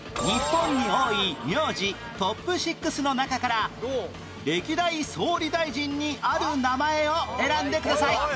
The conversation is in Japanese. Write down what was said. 日本に多い名字トップ６の中から歴代総理大臣にある名前を選んでください